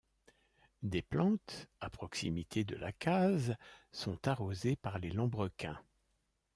Des plantes, à proximité de la case, sont arrosées par les lambrequins.